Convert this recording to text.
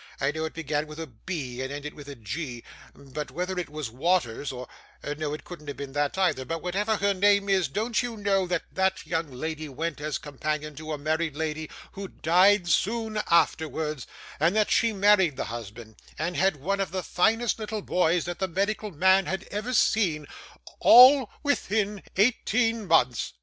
I know it began with a B, and ended with g, but whether it was Waters or no, it couldn't have been that, either; but whatever her name was, don't you know that that young lady went as companion to a married lady who died soon afterwards, and that she married the husband, and had one of the finest little boys that the medical man had ever seen all within eighteen months?